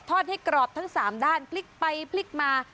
ทอดให้กรอบทั้งสามด้านปลิ๊กไปปลิ๊กมา